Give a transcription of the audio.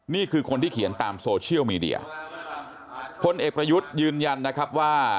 นี่คือคนที่เขียนตามโซเชียลมีเดียพลเอกประยุทธ์ยืนยันนะครับว่า